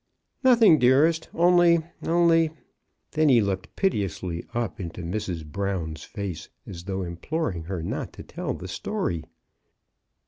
" Nothing, dearest — only — only —" Then he looked piteously up into Mrs. Brown's face, as though imploring her not to tell the story.